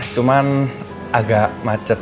cuman agak macet